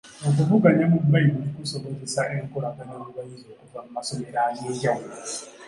Okuvuganya mu Bbayibuli kusobozesa enkolagana mu bayizi okuva mu masomero ag'enjawulo.